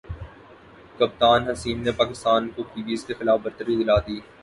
کپتان حسیم نے پاکستان کو کیویز کے خلاف برتری دلا دی